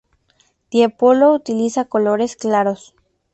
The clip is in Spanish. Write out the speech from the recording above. Tiepolo utiliza colores claros.